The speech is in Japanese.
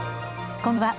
こんばんは。